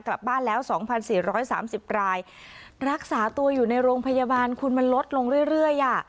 กลับบ้านแล้วสองพันสี่ร้อยสามสิบรายรักษาตัวอยู่ในโรงพยาบาลคุณมันลดลงเรื่อยเรื่อยอ่ะ